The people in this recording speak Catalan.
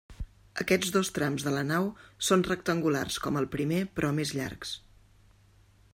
Aquests dos trams de la nau són rectangulars com el primer però més llargs.